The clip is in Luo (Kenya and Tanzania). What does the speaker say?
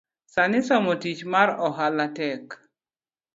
Sani somo tich mar ohala tek